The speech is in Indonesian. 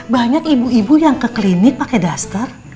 banyak ibu ibu yang ke klinik pake duster